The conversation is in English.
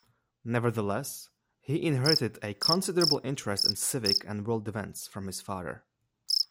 Nevertheless, he inherited a considerable interest in civic and world events from his father.